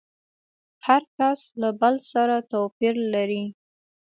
هر کس له بل سره توپير لري.